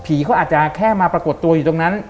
เขาอาจจะแค่มาปรากฏตัวอยู่ตรงนั้น